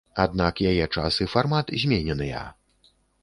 Аднак яе час і фармат змененыя.